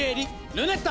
ルネッタ！